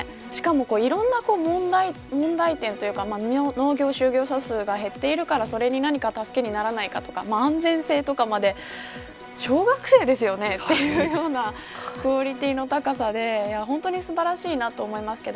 いろんな問題点というか農業就業者数が減っているとか助けにならないかとか安全性とかまで小学生ですよねというようなクオリティーの高さで本当に素晴らしいなと思いますけど。